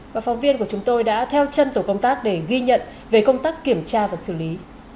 và phóng viên của chúng tôi đã theo chân tổ công tác để ghi nhận về công tác kiểm tra và xử lý